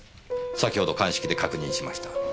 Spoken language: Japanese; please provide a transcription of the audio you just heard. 先ほど鑑識で確認しました。